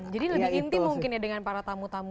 jadi lebih inti mungkin ya dengan para tamu tamunya